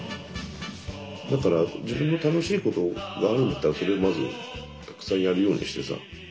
だから自分の楽しいことがあるんだったらそれをまずたくさんやるようにしてさ。